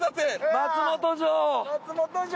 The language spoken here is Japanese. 松本城！